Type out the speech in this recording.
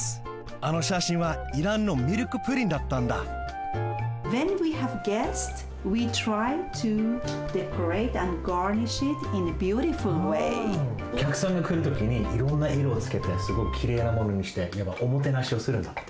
あのしゃしんはイランのミルクプリンだったんだおきゃくさんがくるときにいろんないろをつけてすごくきれいなものにしておもてなしをするんだって。